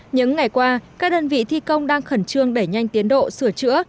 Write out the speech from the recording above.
những ngày qua các đơn vị thi công đang khẩn trương đẩy nhanh tiến độ sửa chữa